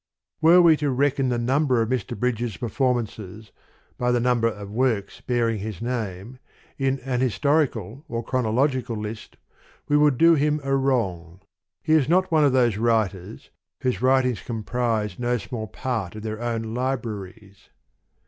Were we to reckon the number of Mr. Bridges' performances, by the number of works, bearing his name, in an historical or chronological list, we would do him a wrong: he is not one of those writers, whose own writings compose no small part of their own libraries.